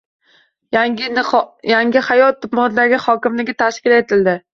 Yangihayot tumani hokimligi tashkil etildi